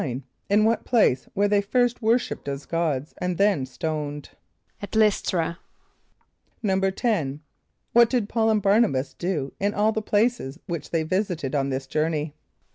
= In what place were they first worshipped as gods and then stoned? =At L[)y]s´tr[.a].= =10.= What did P[a:]ul and Bär´na b[)a]s do in all the places which they visited on this journey?